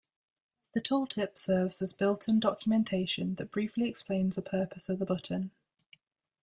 The tooltip serves as built-in documentation that briefly explains the purpose of the button.